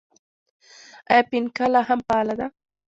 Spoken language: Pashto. آیا فینکا لا هم فعاله ده؟